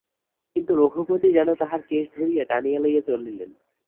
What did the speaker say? কিন্তু রঘুপতি যেন তাঁহার কেশ ধরিয়া টানিয়া লইয়া চলিলেন।